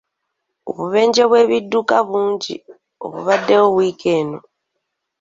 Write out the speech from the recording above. Obubenje bw'ebidduka bungi obubaddewo wiiki eno.